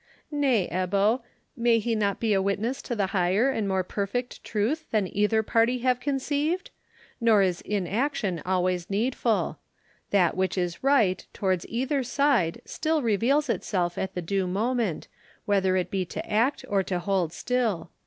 "Nay, Ebbo, may he not be a witness to the higher and more perfect truth than either party have conceived? Nor is inaction always needful. That which is right towards either side still reveals itself at the due moment, whether it be to act or to hold still.